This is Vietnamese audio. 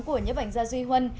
của nhiếp ảnh gia duy huân